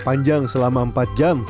panjang selama empat jam